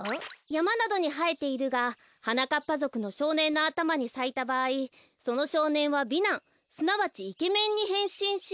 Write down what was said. やまなどにはえているがはなかっぱぞくのしょうねんのあたまにさいたばあいそのしょうねんは美男すなわちイケメンにへんしんし。